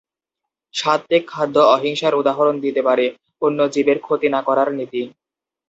সাত্ত্বিক খাদ্য অহিংসার উদাহরণ দিতে পারে, অন্য জীবের ক্ষতি না করার নীতি।